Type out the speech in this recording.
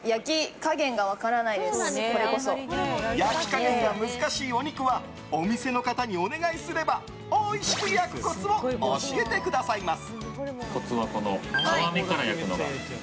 焼き加減が難しいお肉はお店の方にお願いすればおいしく焼くコツを教えてくださいます。